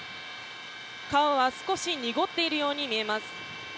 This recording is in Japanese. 川は少し濁っているように見えます。